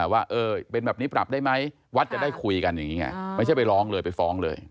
ว่าเป็นแบบนี้ปรับได้ไหมวัดจะได้คุยกันอย่างนี้ไงไม่ใช่ไปร้องเลยไปฟ้องเลย